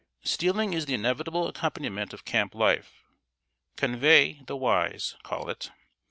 ] Stealing is the inevitable accompaniment of camp life "convey, the wise" call it.